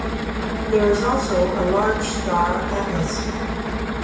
There is also a large star atlas.